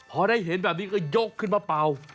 พอได้เห็นแบบนี้ก็ยกขึ้นมาเป่า